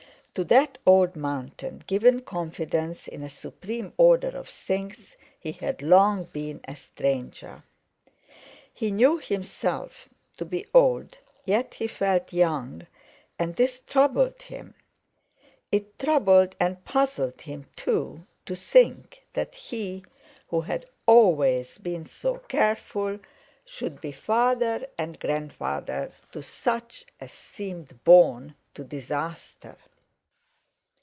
To that old mountain—given confidence in a supreme order of things he had long been a stranger. He knew himself to be old, yet he felt young; and this troubled him. It troubled and puzzled him, too, to think that he, who had always been so careful, should be father and grandfather to such as seemed born to disaster.